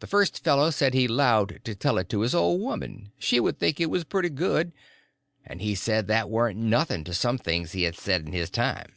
The first fellow said he 'lowed to tell it to his old woman—she would think it was pretty good; but he said that warn't nothing to some things he had said in his time.